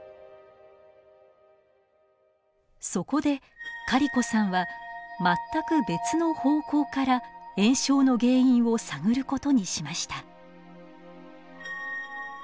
そこでカリコさんは全く別の方向から炎症の原因を探ることにしました。